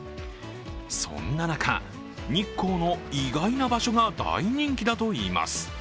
そんな中、日光の意外な場所が大人気だといいます。